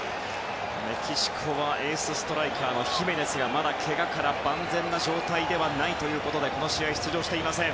メキシコはエースストライカーのヒメネスがまだけがから万全な状態ではないということでこの試合は出場していません。